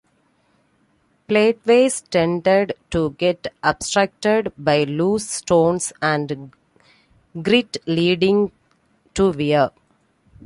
Plateways tended to get obstructed by loose stones and grit leading to wear.